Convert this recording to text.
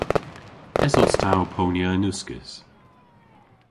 Esos ta ow ponya yn uskis?